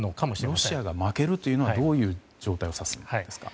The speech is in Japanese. ロシアが負けるというのはどういう状態を指すんですか。